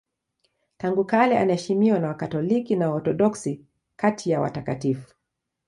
Tangu kale anaheshimiwa na Wakatoliki na Waorthodoksi kati ya watakatifu.